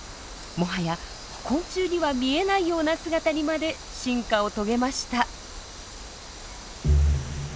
もはや昆虫には見えないような姿にまで進化を遂げました。